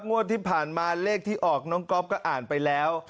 งวดที่ผ่านมาเลขที่ออกน้องก๊อฟก็อ่านไปแล้ว